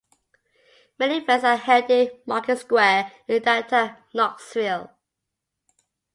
Many events are held in Market Square in downtown Knoxville.